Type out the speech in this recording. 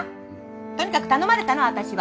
とにかく頼まれたの私は。